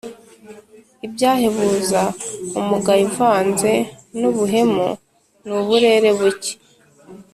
lbyahebuza umugayò uvanze n'ubuhemu n'uburere buke,